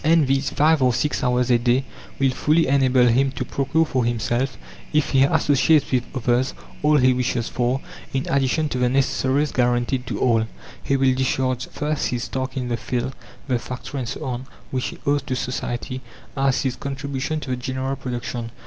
And these 5 or 6 hours a day will fully enable him to procure for himself, if he associates with others, all he wishes for, in addition to the necessaries guaranteed to all. He will discharge first his task in the field, the factory, and so on, which he owes to society as his contribution to the general production.